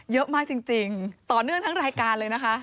เยอะมากจริงต่อเนื่องทั้งรายการเลยนะคะ